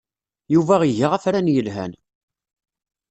Yuba iga afran yelhan.